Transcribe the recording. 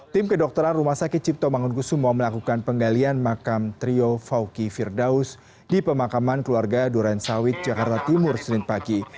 tim kedokteran rumah sakit cipto mangunkusumo melakukan penggalian makam trio fawki firdaus di pemakaman keluarga durensawit jakarta timur senin pagi